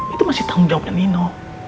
itu masih tanggung jawabnya nino